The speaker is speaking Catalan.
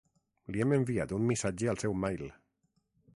Li hem enviat un missatge al seu mail.